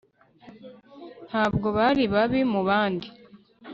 ntabwo bari babi mu bandi